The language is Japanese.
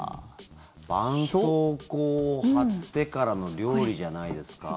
ばんそうこうを貼ってからの料理じゃないですか。